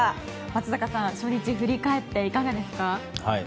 松坂さん、初日振り返っていかがですか？